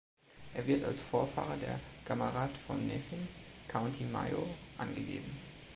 Er wird als Vorfahre der Gamarad von Nephin, County Mayo, angegeben.